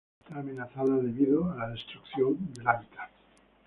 Está amenazada debido a la destrucción del hábitat.